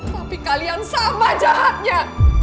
tapi kalian sama jahatnya